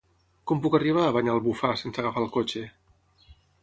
Com puc arribar a Banyalbufar sense agafar el cotxe?